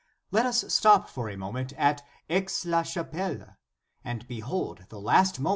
Let us stop for a moment at Aix la chapelle, and behold the last moments of * S.